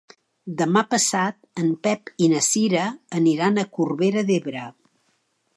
Demà passat en Pep i na Cira aniran a Corbera d'Ebre.